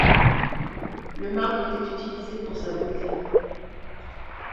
Le marbre était utilisé pour sa beauté.